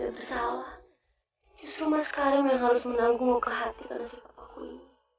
bersalah cuma sekarang yang harus menanggung kehatikan sebab aku